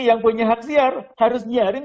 yang punya hak siar harus nyiarin